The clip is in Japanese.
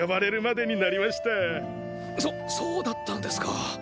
そそうだったんですか。